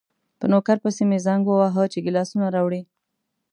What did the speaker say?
په نوکر پسې مې زنګ وواهه چې ګیلاسونه راوړي.